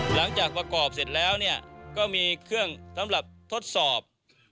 หลังจากประกอบเสร็จแล้วเนี่ยก็มีเครื่องสำหรับทดสอบ